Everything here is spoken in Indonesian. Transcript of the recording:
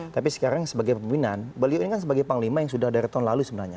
tapi sekarang sebagai pemimpinan beliau ini kan sebagai panglima yang sudah dari tahun lalu sebenarnya